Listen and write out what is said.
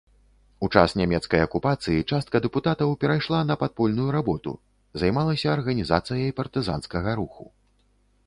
У час нямецкай акупацыі частка дэпутатаў перайшла на падпольную работу, займалася арганізацыяй партызанскага руху.